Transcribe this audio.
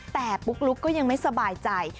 แต่ปุ๊กลุ๊กก็ยังไม่สบายใจ